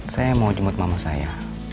saya mau jemput mama saya